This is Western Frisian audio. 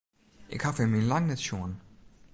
Ik haw him yn lang net sjoen.